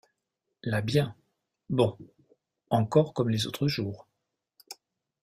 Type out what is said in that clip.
Là bien !… bon !… encore comme les autres jours…